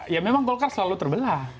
ya memang golkar selalu terbelah